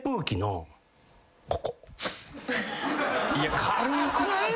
いや軽くない？